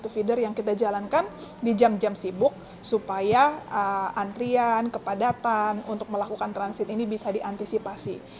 satu feeder yang kita jalankan di jam jam sibuk supaya antrian kepadatan untuk melakukan transit ini bisa diantisipasi